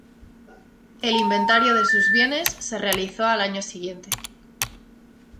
El inventario de sus bienes se realizó al año siguiente.